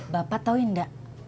bapak tau gak